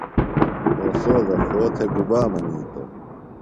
اوستوذہ پھو تھےۡ گُبا منیتوۡ؟